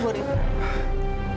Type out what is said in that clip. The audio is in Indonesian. haris tunggu riz